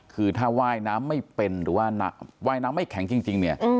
คือถ้าว่ายน้ำไม่เป็นหรือว่าว่ายน้ำไม่แข็งจริงเนี่ย